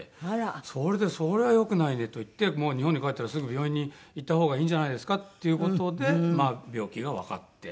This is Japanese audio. それで「それは良くないね」と言って「もう日本に帰ったらすぐ病院に行った方がいいんじゃないですか？」っていう事で病気がわかって。